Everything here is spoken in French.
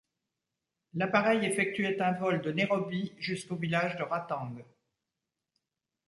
L'appareil effectuait un vol de Nairobi jusqu'au village de Ratang.